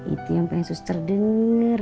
itu yang pengen sus terdengar